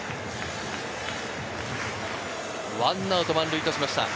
１アウト満塁としました。